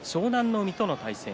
海との対戦。